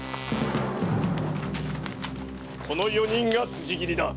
この四人が辻斬りだ。